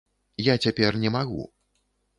Я цяпер не магу.